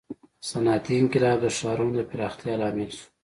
• صنعتي انقلاب د ښارونو د پراختیا لامل شو.